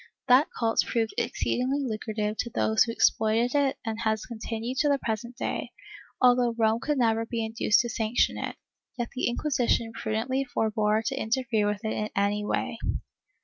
That cult proved exceedingly lucrative to those who exploited it and has continued to the present day, although Rome could never be induced to sanction it, yet the Inquisition prudently forbore to interfere with it in any way.